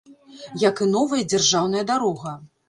Як і новая дзяржаўная дарога.